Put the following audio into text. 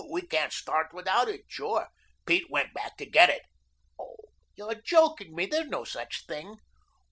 We can't start without it, sure. Pete went back to get it." "Oh, you're joking me, there's no such thing."